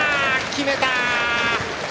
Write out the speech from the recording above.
決めた！